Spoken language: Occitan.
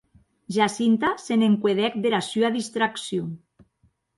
Jacinta se n’encuedèc dera sua distraccion.